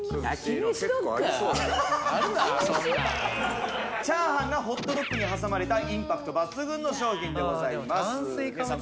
あるそんなんチャーハンがホットドックに挟まれたインパクト抜群の商品でございます皆さん